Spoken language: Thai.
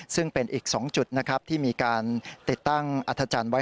ซึ่งเป็นอีก๒จุดนะครับที่มีการติดตั้งอัธจันทร์ไว้